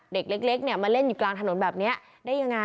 เด็กเล็กเนี่ยมาเล่นอยู่กลางถนนแบบนี้ได้ยังไง